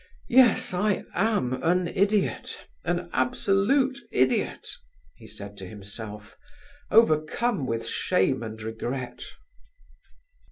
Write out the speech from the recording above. Yes, I am an idiot, an absolute idiot!" he said to himself, overcome with shame and regret.